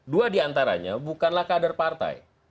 dua diantaranya bukanlah kader partai